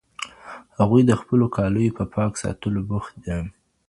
هغوی د خپلو کالیو په پاک ساتلو بوخت دي.